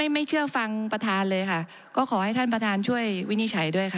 ไม่เชื่อฟังประธานเลยค่ะก็ขอให้ท่านประธานช่วยวินิจฉัยด้วยค่ะ